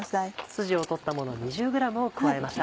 スジを取ったもの２０ｇを加えました。